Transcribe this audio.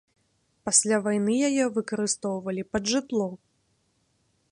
Пасля вайны яе выкарыстоўвалі пад жытло.